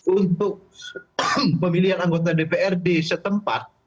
untuk pemilihan anggota dpr di setempat